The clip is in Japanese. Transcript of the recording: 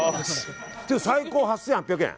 最高８８００円。